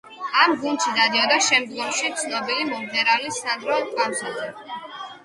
ამ გუნდში დადიოდა შემდგომში ცნობილი მომღერალი სანდრო კავსაძე.